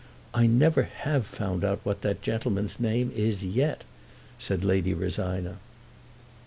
"I never have found out what that gentleman's name is yet," said Lady Rosina.